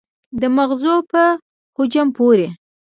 د مغزو په حجم پورې